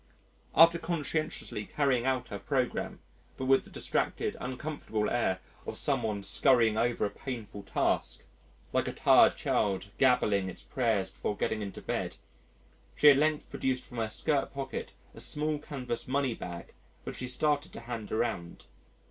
After conscientiously carrying out her programme but with the distracted, uncomfortable air of some one scurrying over a painful task like a tired child gabbling its prayers before getting into bed she at length produced from her skirt pocket a small canvas money bag which she started to hand around.